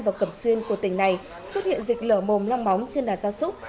và cẩm xuyên của tỉnh này xuất hiện dịch lở mồm long móng trên đàn gia súc